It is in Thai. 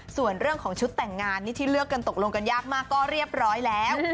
ส่วนเรื่องของชุดแต่งงานนี่ที่เลือกกันตกลงกันยากมากก็เรียบร้อยแล้ว